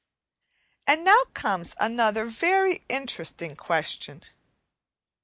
And now comes another very interesting question.